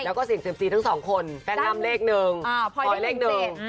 แล้วก็เสี่ยงเซียมซีทั้งสองคนแป้งอ้ำเลขหนึ่งพลอยเลขหนึ่ง